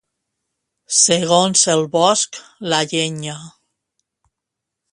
Segons el bosc, la llenya.